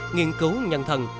nghiên cứu nhân thần